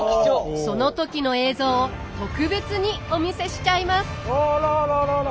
その時の映像を特別にお見せしちゃいます！